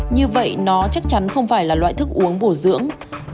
như vậy nó chắc chắn không phải là loại thức uống bổ dưỡng